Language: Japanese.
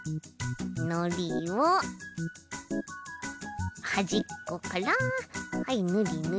のりをはじっこからはいぬりぬり。